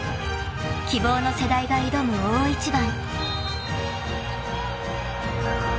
［希望の世代が挑む大一番］